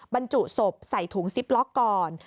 บรรจุศพใส่ถุงซิปล็อกก่อน